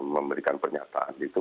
memberikan pernyataan itu